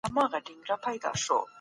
د غمونو سوي چیغي